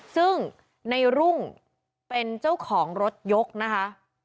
ซึ่งในรุ่งเป็นเจ้าของรถยกนะคะ